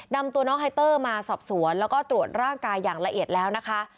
นำตัวน้องไฮเตอร์มาสอบสวนแล้วก็ตรวจร่างกายอย่างละเอียดแล้วนะคะ